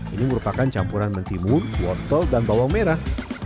ini merupakan campuran mentimun wortel dan bawang merah